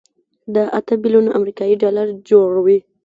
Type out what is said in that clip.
دا اته بيلیونه امریکایي ډالره جوړوي.